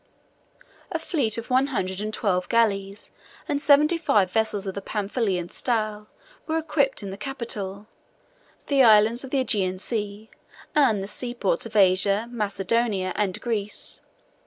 A fleet of one hundred and twelve galleys, and seventy five vessels of the Pamphylian style, was equipped in the capital, the islands of the Aegean Sea, and the seaports of Asia, Macedonia, and Greece.